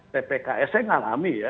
ppks saya mengalami ya